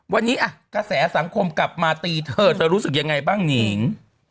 วันนี้กระแสสังคมกลับมาตีเธอเธอรู้สึกยังไงบ้างหนิง